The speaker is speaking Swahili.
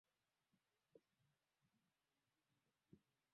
kushughulikia matatizo ya uchafuzi wa hewa ya kawaida na